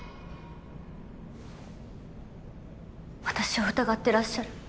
私を疑ってらっしゃる？